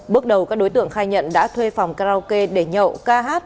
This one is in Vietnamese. bước đầu các đối tượng khai nhận đã thuê phòng karaoke để nhậu ca hát